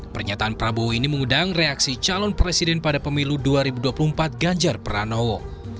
pernyataan prabowo ini mengundang reaksi calon presiden pada pemilu dua ribu dua puluh empat ganjar pranowo